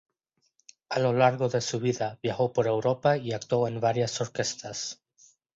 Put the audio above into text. A lo largo de su vida viajó por Europa y actuó en varias orquestas.